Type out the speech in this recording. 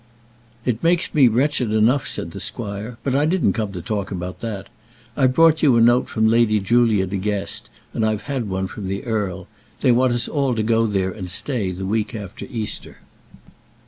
"It makes me wretched enough," said the squire. "But I didn't come to talk about that. I've brought you a note from Lady Julia De Guest, and I've had one from the earl. They want us all to go there and stay the week after Easter."